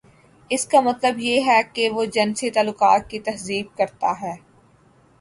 اس کا مطلب یہ ہے کہ وہ جنسی تعلقات کی تہذیب کرتا ہے۔